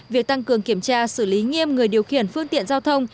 việc tăng cường kiểm tra xử lý nghiêm người điều khiển phương tiện giao thông